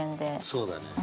そうだね。